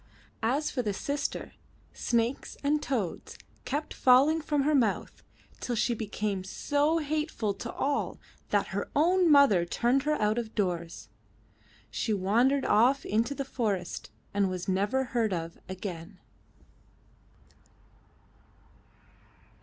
As for the sister, snakes and toads kept falling from her mouth, till she became so hateful to all that her own mother turned her out of doors. She wandered off into the forest and was never heard of again.